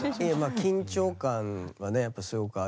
緊張感はねやっぱすごくある。